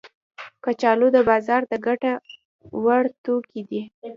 کچالو د بازار د ګټه ور توکي دي